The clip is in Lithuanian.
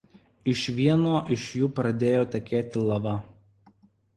Iš vieno iš jų pradėjo tekėti lava.